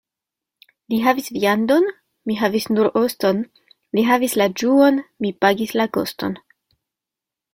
Li havis viandon, mi havis nur oston — li havis la ĝuon, mi pagis la koston.